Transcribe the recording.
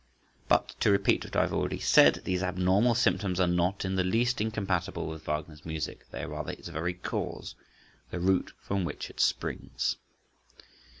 But, to repeat what I have already said, these abnormal symptoms are not in the least incompatible with Wagner's music, they are rather its very cause, the root from which it springs.